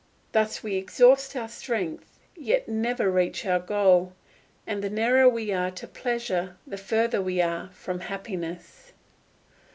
Thus we exhaust our strength, yet never reach our goal, and the nearer we are to pleasure, the further we are from happiness.